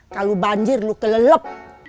kalau banjir lu kelelep